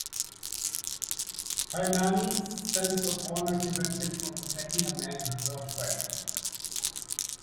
Hernani's sense of honor prevents him from attacking a man who won't fight back.